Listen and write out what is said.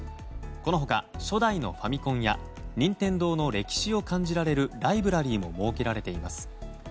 この他、初代のファミコンや任天堂の歴史を感じられるライブラリーも設けられています。